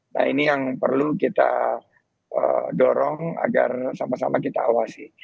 nah ini yang perlu kita dorong agar sama sama kita awasi